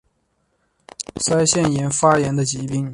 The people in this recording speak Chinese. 腮腺炎发炎的疾病。